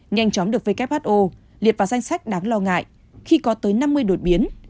nhanh chóng được who liệt vào danh sách đáng lo ngại khi có tới năm mươi đột biến